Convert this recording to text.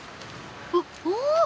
あっお！